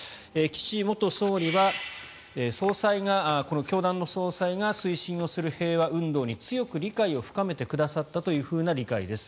岸元総理はこの教団の総裁が推進する平和運動に強く理解を深めてくださったという理解です。